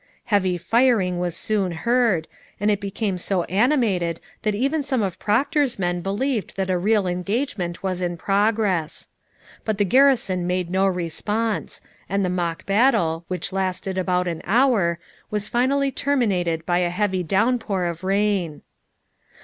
Heavy firing was soon heard, and it became so animated that even some of Procter's men believed that a real engagement was in progress. But the garrison made no response, and the mock battle, which lasted about an hour, was finally terminated by a heavy downpour of rain.